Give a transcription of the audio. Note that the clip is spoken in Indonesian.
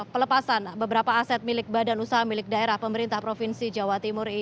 pelepasan beberapa aset milik badan usaha milik daerah pemerintah provinsi jawa timur